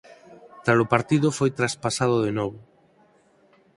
Tralo partido foi traspasado de novo.